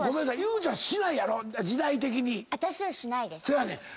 せやねん。